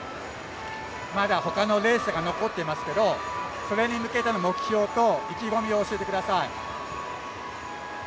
まだほかのレースが残ってますけどそれに向けての目標と意気込みを教えてください。